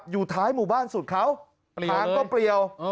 อยู่ท้ายหมู่บ้านสุดเขาทางก็เปรียว